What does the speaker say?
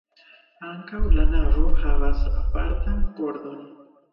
Ankaŭ la navo havas apartan pordon.